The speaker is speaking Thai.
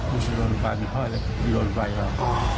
ไม่ใช่โดนไฟมีข้อเล็กโดนไฟครับ